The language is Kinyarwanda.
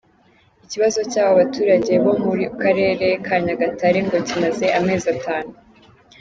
Ikibazo cy’aba baturage bo mu karere ka Nyagatare ngo kimaze amezi atanu.